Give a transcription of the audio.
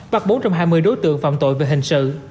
bắt bốn trăm hai mươi đối tượng phạm tội về hình sự